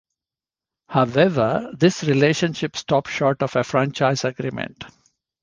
However, this relationship stopped short of a franchise agreement.